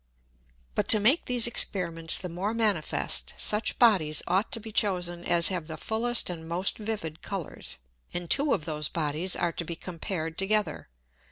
But to make these Experiments the more manifest, such Bodies ought to be chosen as have the fullest and most vivid Colours, and two of those Bodies are to be compared together.